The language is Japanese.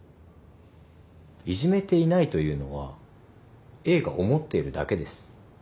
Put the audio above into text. いじめていないというのはＡが思っているだけです。